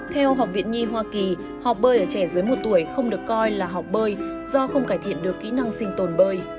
theo học viện nhi hoa kỳ học bơi ở trẻ dưới một tuổi không được coi là học bơi do không cải thiện được kỹ năng sinh tồn bơi